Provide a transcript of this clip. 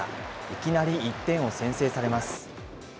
いきなり１点を先制されます。